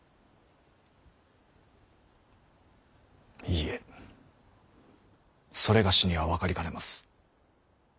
いいえ某には分かりかねます。